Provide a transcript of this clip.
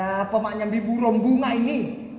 apa maknya bibur rombunga ini